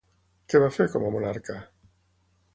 Què va fer, com a monarca?